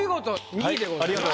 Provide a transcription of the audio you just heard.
２位でございました。